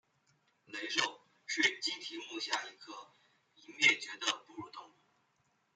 雷兽是奇蹄目下一科已灭绝的哺乳动物。